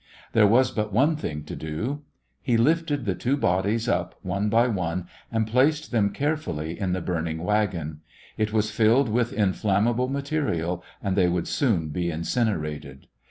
There was but one thing to do. He lifted the two bodies up one by one and placed them carefully in the burning wagon. It was filled with inflammable material and they would soon be incinerated.